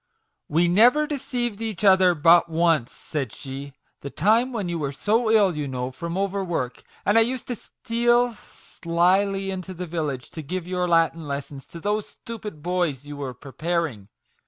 " We never deceived each other but once," said she ; "the time when you were so ill, you know, from over work, and I used to steal slily into the village to give your Latin lessons to those stupid boys you were ' preparing